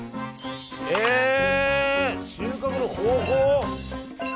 えっ収穫の方法？